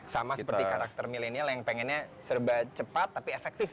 sama seperti karakter milenial yang pengennya serba cepat tapi efektif